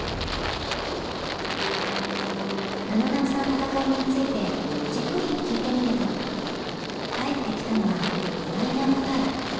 あの夏の戦いについてじっくり聞いてみると返ってきたのは意外な答え。